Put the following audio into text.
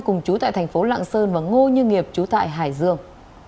cùng chú tại thành phố lạng sơn và ngô như nghiệp chú tại hải dương